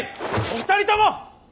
お二人とも！